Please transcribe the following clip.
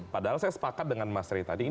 padahal saya sepakat dengan mas ray tadi